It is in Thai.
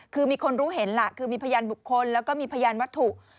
คือมีคนรู้เห็นล่ะคือมีพยานบุคคลแล้วก็มีพยานวัตถุ